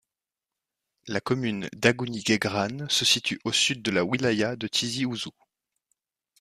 La commune d'Agouni Gueghrane se situe au sud de la wilaya de Tizi Ouzou.